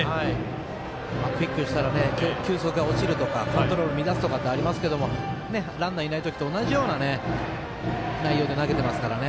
クイックしたら球速が落ちるとかコントロールを乱すとかってありますけどランナーいないときと同じような内容で投げてますからね。